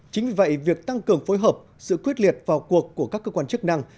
chính vì vậy việc tăng cường phối hợp sự quyết liệt vào cuộc của các cơ quan chức năng